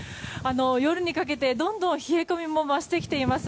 夜にかけて、どんどん冷え込みも増してきています。